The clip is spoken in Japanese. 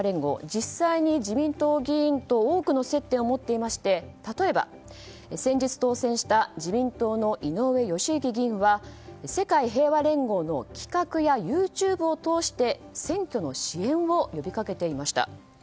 実際に自民党議員と多くの接点を持っていまして例えば、先日当選した自民党の井上義行議員は世界平和連合の企画やＹｏｕＴｕｂｅを通して選挙の支援を呼びかけていました。